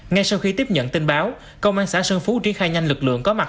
ngay sau khi tiếp nhận tin báo công an xã sơn phú triển khai nhanh lực lượng có mặt